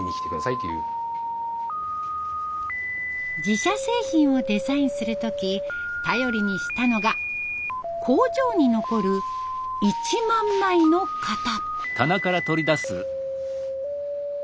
自社製品をデザインする時頼りにしたのが工場に残る１万枚の型。